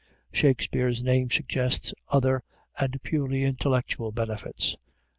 Shakspeare's name suggests other and purely intellectual benefits.